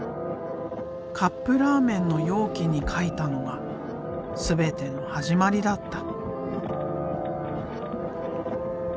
カップラーメンの容器に描いたのが全ての始まりだった。